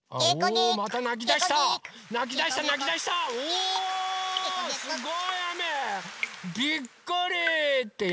おすごいあめ！びっくり！ってやんだ。